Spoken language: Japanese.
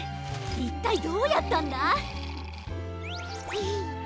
いったいどうやったんだ？へへっ！